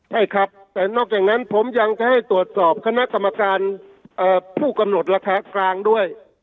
ใช่ครับแต่นอกจากนั้นผมยังจะให้ตรวจสอบคณะกรรมการผู้กำหนดราคากลางด้วย